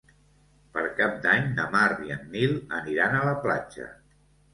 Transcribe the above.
Per Cap d'Any na Mar i en Nil aniran a la platja.